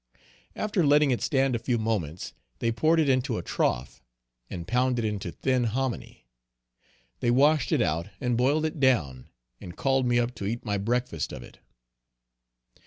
After letting it stand a few moments, they poured it into a trough, and pounded it into thin hominy. They washed it out, and boiled it down, and called me up to eat my breakfast of it.